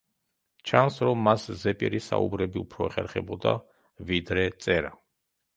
ჩანს, რომ მას ზეპირი საუბრები უფრო ეხერხებოდა, ვიდრე წერა.